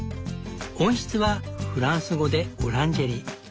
温室はフランス語でオランジェリー。